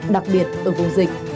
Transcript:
đặc biệt ở vùng dịch